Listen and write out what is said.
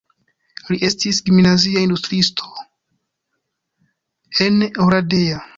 Li estis gimnazia instruisto en Oradea.